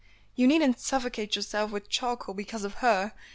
"You needn't suffocate yourself with charcoal because of her.